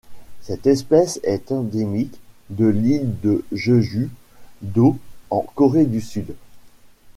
Cette espèce est endémique de l'île de Jeju-do en Corée du Sud.